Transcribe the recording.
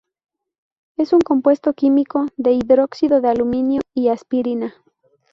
Es un compuesto químico de hidróxido de aluminio y aspirina.